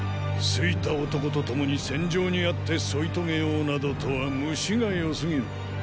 好いた男と共に戦場にあって添いとげようなどとはムシがよすぎる。